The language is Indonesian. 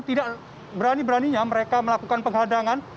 tidak berani beraninya mereka melakukan penghadangan